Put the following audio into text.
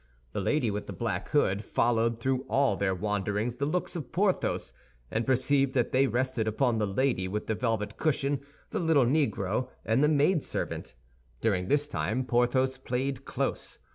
The lady with the black hood followed through all their wanderings the looks of Porthos, and perceived that they rested upon the lady with the velvet cushion, the little Negro, and the maid servant. During this time Porthos played close.